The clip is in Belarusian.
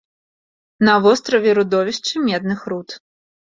На востраве радовішчы медных руд.